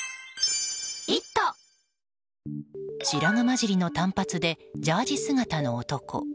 白髪交じりの短髪でジャージー姿の男。